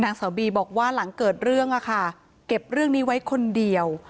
นางสาวบีบอกว่าหลังเกิดเรื่องอะค่ะเก็บเรื่องนี้ไว้คนเดียว